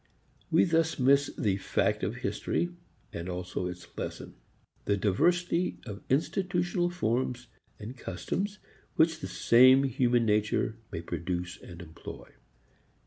We thus miss the fact of history and also its lesson; the diversity of institutional forms and customs which the same human nature may produce and employ.